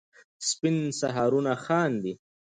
سپین سهارونه خاندي